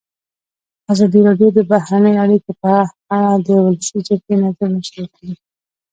ازادي راډیو د بهرنۍ اړیکې په اړه د ولسي جرګې نظرونه شریک کړي.